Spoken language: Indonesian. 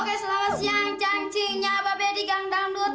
oke selamat siang cancingnya babedi gang dangdut